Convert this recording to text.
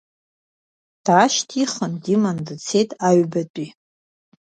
Даашьҭихын диман дцеит аҩбатәи.